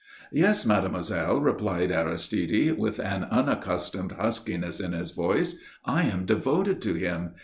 "Yes, mademoiselle," replied Aristide, with an unaccustomed huskiness in his voice, "I am devoted to him.